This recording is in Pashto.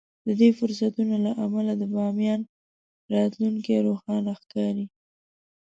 د دې فرصتونو له امله د باميان راتلونکی روښانه ښکاري.